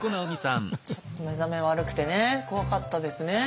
ちょっと目覚め悪くてね怖かったですね。